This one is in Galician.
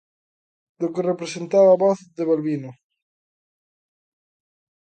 Do que representaba a voz de Balbino.